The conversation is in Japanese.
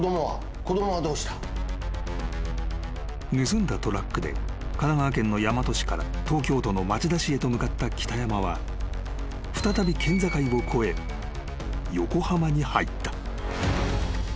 ［盗んだトラックで神奈川県の大和市から東京都の町田市へと向かった北山は再び県境を越え横浜に入った］